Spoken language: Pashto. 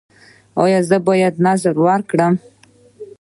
ایا زه باید نذر ورکړم؟